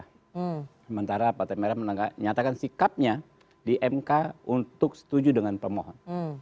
sementara partai merah menyatakan sikapnya di mk untuk setuju dengan pemohon